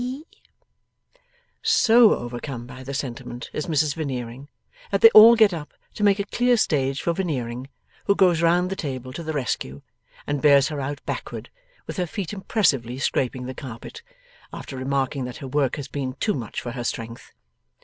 P.?' So overcome by the sentiment is Mrs Veneering, that they all get up to make a clear stage for Veneering, who goes round the table to the rescue, and bears her out backward, with her feet impressively scraping the carpet: after remarking that her work has been too much for her strength.